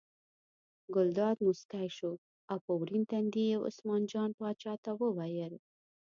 ګلداد موسکی شو او په ورین تندي یې عثمان جان پاچا ته وویل.